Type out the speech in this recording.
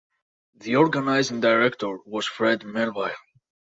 The organizing director was Fred Melville.